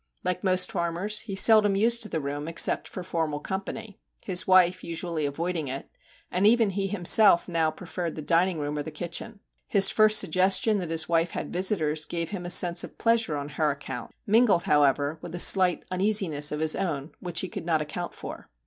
Like most farmers, he seldom used MR. JACK HAMLIN'S MEDIATION 37 the room except for formal company, his wife usually avoiding it, and even he himself now preferred the dining room or the kitchen. His first suggestion that his wife had visitors gave him a sense of pleasure on her account, mingled, however, with a slight uneasiness of his own which he could not account for.